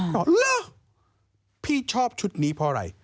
เหรอพี่ชอบชุดนี้เพราะอะไร